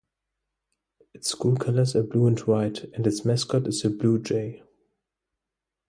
Its school colors are blue and white, and its mascot is the blue jay.